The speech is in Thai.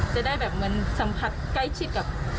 จะได้แบบเหมือนสัมผัสใกล้ชิดกับ